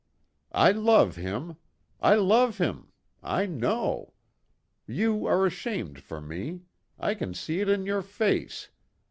"I love him! I love him! I know! You are ashamed for me! I can see it in your face!